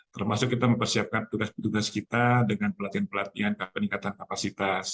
termasuk kita mempersiapkan tugas petugas kita dengan pelatihan pelatihan peningkatan kapasitas